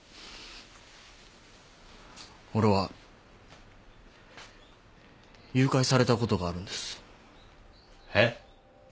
俺は誘拐されたことがあるんです。えっ？